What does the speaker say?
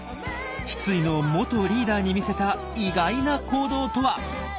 失意の元リーダーに見せた意外な行動とは？